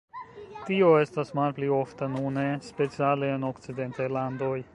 Tio estas malpli ofta nune, speciale en okcidentaj landoj.